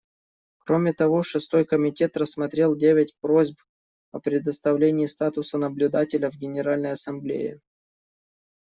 Кроме того, Шестой комитет рассмотрел девять просьб о предоставлении статуса наблюдателя в Генеральной Ассамблее.